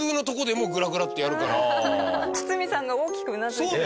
堤さんが大きくうなずいて。